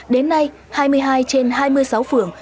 đến nay hai mươi hai trên hai mươi sáu phường